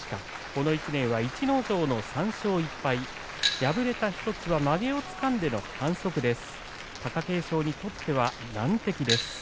この１年は逸ノ城の３勝１敗敗れた１つはまげをつかんでの反則でした。